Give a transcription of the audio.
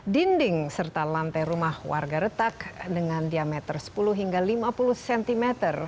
dinding serta lantai rumah warga retak dengan diameter sepuluh hingga lima puluh cm